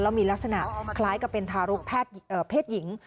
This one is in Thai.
แล้วมีลักษณะคล้ายกับเป็นทารกแพทย์เอ่อเพศหญิง